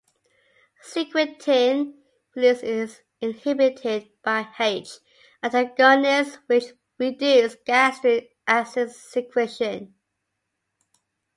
Secretin release is inhibited by H antagonists, which reduce gastric acid secretion.